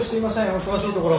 お忙しいところ。